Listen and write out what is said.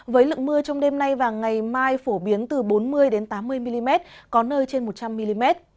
với lượng mưa trong đêm nay và ngày mai phổ biến từ bốn mươi tám mươi mm có nơi trên một trăm linh mm